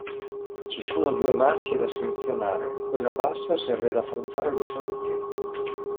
Ci sono due marce da selezionare, quella bassa serve ad affrontare le salite.